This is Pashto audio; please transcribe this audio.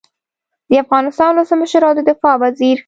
د افغانستان ولسمشر او د دفاع وزیر